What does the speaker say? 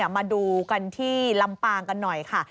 มาดูกันที่ลำปางกันหน่อยค่ะ